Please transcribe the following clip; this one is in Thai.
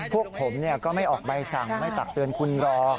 พวกผมก็ไม่ออกใบสั่งไม่ตักเตือนคุณรอ